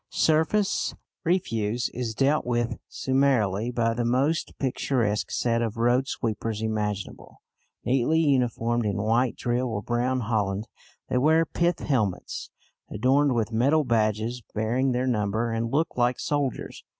Surface refuse is dealt with summarily by the most picturesque set of road sweepers imaginable. Neatly uniformed in white drill or brown holland, they wear pith helmets adorned with metal badges bearing their number, and look like soldiers.